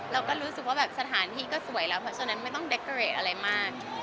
เราก็รู้สึกว่าแบบสถานที่ก็สวยแล้วเพราะฉะนั้นไม่ต้องเด็กเกรดอะไรมาก